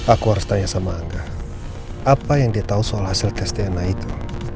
aku harus tanya sama angga apa yang dia tahu soal hasil tes dna itu